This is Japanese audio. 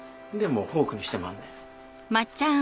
フォークにしてまんねん。